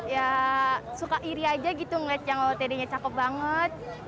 ya suka iri aja gitu ngeliat yang otd nya cakep banget